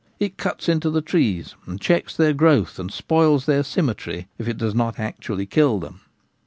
It cuts into the trees, and checks their growth and spoils their symmetry, if it does not actually kill them.